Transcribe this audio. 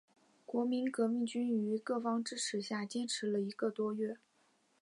国民革命军于各方支持下坚持一个多月。